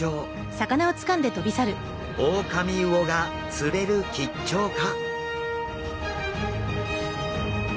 オオカミウオが釣れる吉兆か！？